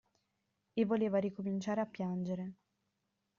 E voleva ricominciare a piangere.